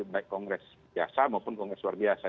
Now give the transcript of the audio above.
baik kongres biasa maupun kongres luar biasa